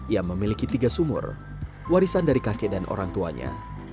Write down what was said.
ia memiliki tiga sumur warisan dari kakek dan orang tuanya